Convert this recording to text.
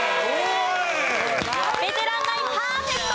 ベテランナインパーフェクト。